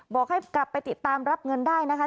บอกให้กลับไปติดตามรับเงินได้นะคะ